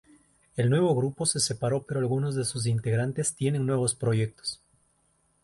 El nuevo grupo se separó pero alguno de sus integrantes tiene nuevos proyectos.